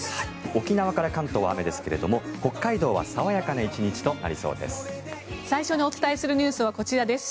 沖縄から関東は雨ですが北海道は爽やかな１日となりそうです。